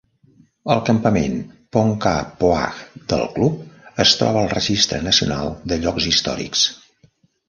El campament Ponkapoag del Club es troba al registre nacional de llocs històrics.